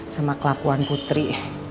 sama kelakuan putri